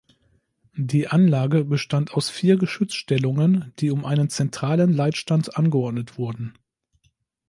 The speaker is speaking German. Die Anlage bestand aus vier Geschützstellungen die um einen zentralen Leitstand angeordnet wurden.